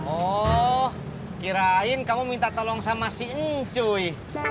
oh kirain kamu minta tolong sama si encuy